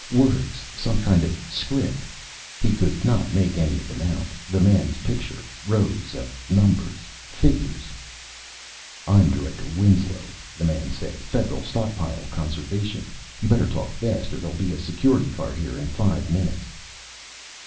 Words, some kind of script. He could not make any of them out. The man's picture, rows of numbers, figures "I'm Director Winslow," the man said. "Federal Stockpile Conservation. You better talk fast, or there'll be a Security car here in five minutes."